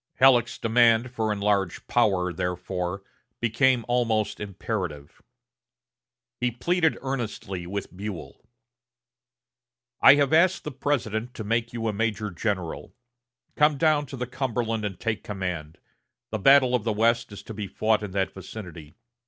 Halleck's demand for enlarged power, therefore, became almost imperative. He pleaded earnestly with Buell: "I have asked the President to make you a major general. Come down to the Cumberland and take command. The battle of the West is to be fought in that vicinity....